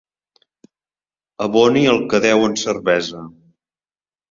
Aboni el que deu en cervesa.